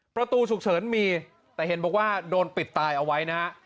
ประตูฉุกเฉินมีแต่เห็นบอกว่าโดนปิดตายเอาไว้นะฮะ